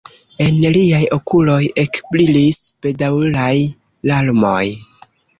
En liaj okuloj ekbrilis bedaŭraj larmoj.